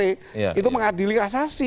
itu mengadili asasi